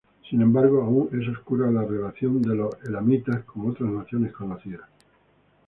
Sin embargo, aun es oscura la relación de los elamitas con otras naciones conocidas.